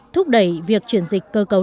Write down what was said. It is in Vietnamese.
thúc đẩy việc chuyển dịch cơ cấu